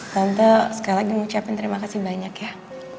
tante sekali lagi mengucapkan terima kasih banyak ya